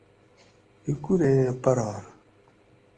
ہِیکوریں پرہار